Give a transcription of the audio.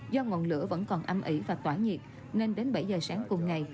do ngọn lửa vẫn còn âm ỉ và tỏa nhiệt nên đến bảy giờ sáng cùng ngày